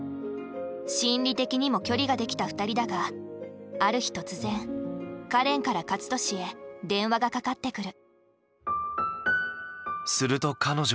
心理的にも距離が出来た２人だがある日突然かれんから勝利へ電話がかかってくる。